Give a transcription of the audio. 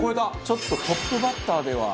ちょっとトップバッターでは。